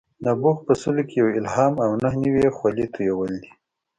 نبوغ په سلو کې یو الهام او نهه نوي یې خولې تویول دي.